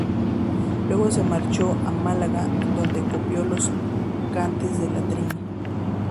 Luego se marchó a Málaga, donde copió los cantes de La Trini.